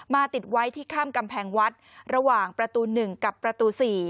ติดไว้ที่ข้ามกำแพงวัดระหว่างประตู๑กับประตู๔